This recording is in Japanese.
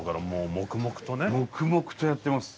黙々とやってます。